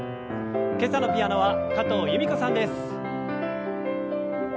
今朝のピアノは加藤由美子さんです。